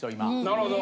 なるほど。